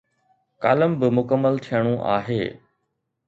Column به مڪمل ٿيڻو آهي.